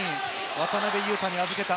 渡邊雄太に預けた。